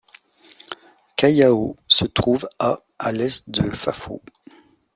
Kayao se trouve à à l'est de Fafo.